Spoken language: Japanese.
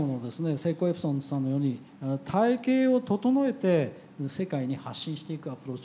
セイコーエプソンさんのように体系を整えて世界に発信していくアプローチ